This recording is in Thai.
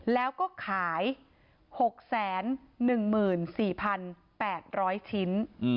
แล้วก็ขาย๖๑๔๘๐๐ชิ้น